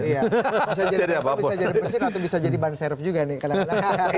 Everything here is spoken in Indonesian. bisa jadi bumper bisa jadi presiden atau bisa jadi banser juga nih